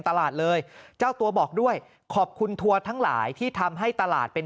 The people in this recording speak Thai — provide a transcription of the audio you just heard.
ตลาดเลยเจ้าตัวบอกด้วยขอบคุณทัวร์ทั้งหลายที่ทำให้ตลาดเป็น